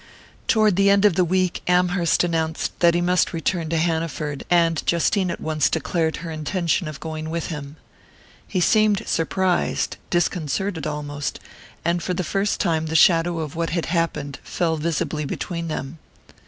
Toward the end of the week Amherst announced that he must return to Hanaford; and Justine at once declared her intention of going with him. He seemed surprised, disconcerted almost; and for the first time the shadow of what had happened fell visibly between them.